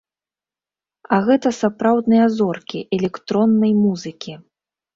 А гэта сапраўдныя зоркі электроннай музыкі!